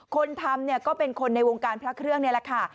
คนทำเนี่ยก็เป็นคนในวงการพระเครื่องนี่แหละค่ะ